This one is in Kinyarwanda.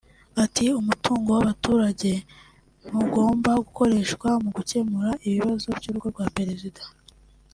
ati “umutungo w’abaturage ntugomba gukoreshwa mu gukemura ibibazo by’urugo rwa Perezida